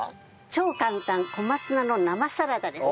超簡単小松菜の生サラダです。